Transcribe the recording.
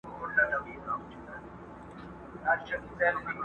سپیني توري زنګ وهلي ړنګ توپونه پر میدان کې٫